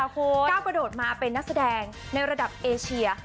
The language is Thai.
ก้าวกระโดดมาเป็นนักแสดงในระดับเอเชีย